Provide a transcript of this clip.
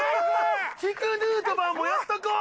低ヌートバーもやっとこう！